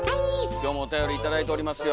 今日もおたより頂いておりますよ。